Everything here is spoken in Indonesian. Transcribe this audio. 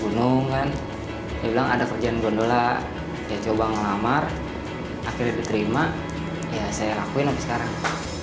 gunung kan dia bilang ada kerjaan gondola dia coba ngelamar akhirnya diterima ya saya lakuin sampai sekarang